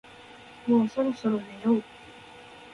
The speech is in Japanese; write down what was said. もうそろそろ寝よう